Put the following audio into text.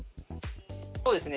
そうですね。